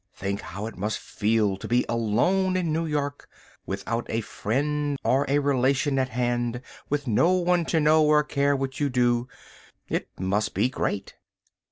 Think how it must feel to be alone in New York, without a friend or a relation at hand, with no one to know or care what you do. It must be great!